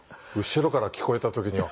後ろから聞こえた時には。